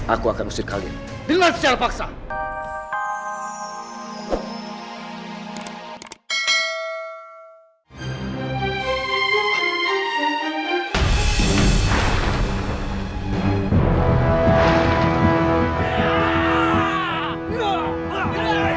aku akan usir kalian